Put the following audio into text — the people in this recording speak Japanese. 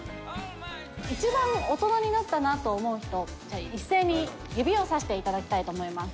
一番大人になったなと思う人、じゃあ、一斉に指をさしていただきたいと思います。